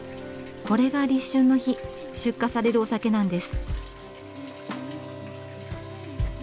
これが立春の日出荷されるお酒なんです。